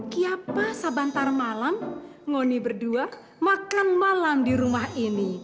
kiyapa sebentar malam ngoni berdua makan malam di rumah ini